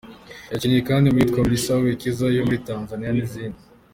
Yakinnye kandi mu yitwa “Melissa’’, “Wekeza’’ yo muri Tanzania n’izindi.